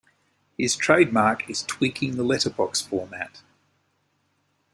His trademark is tweaking the letterbox format.